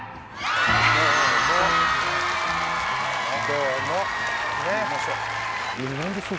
どうも。